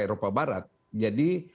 eropa barat jadi